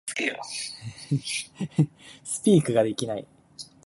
Speak ができない